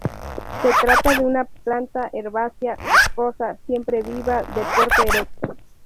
Se trata de una planta herbácea, viscosa, siempreviva, de porte erecto.